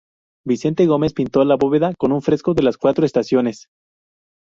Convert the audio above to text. Vicente Gómez pintó la bóveda con un fresco de Las Cuatro Estaciones.